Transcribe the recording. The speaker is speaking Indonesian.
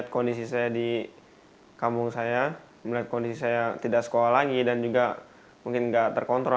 kondisi saya di kampung saya melihat kondisi saya tidak sekolah lagi dan juga mungkin nggak terkontrol